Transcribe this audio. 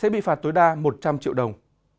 bị phạt tối đa một trăm linh triệu đồng